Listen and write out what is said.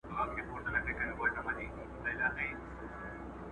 ويښې ټولني به د فکري جمود کلک کنګل په اسانۍ مات کړی وي.